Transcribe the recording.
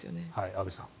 安部さん。